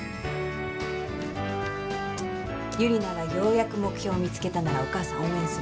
ユリナがようやく目標見つけたならお母さん応援する。